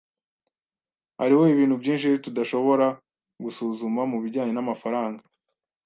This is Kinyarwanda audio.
Hariho ibintu byinshi tudashobora gusuzuma mubijyanye namafaranga.